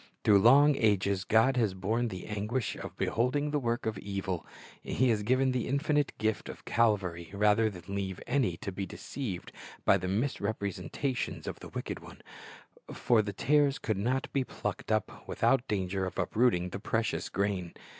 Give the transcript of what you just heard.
Through long ages God has borne the anguish of beholding the work of evil, He has given the infinite Gift of Calvary, rather than leave any to be deceived by the misrepresenta tions of the wicked one; for the tares could not be plucked up without danger of uprooting the precious grain.